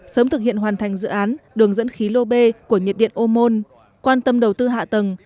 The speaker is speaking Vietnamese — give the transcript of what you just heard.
sớm thực hiện hoàn thành dự án đường dẫn khí lô bê của nhiệt điện ô môn quan tâm đầu tư hạ tầng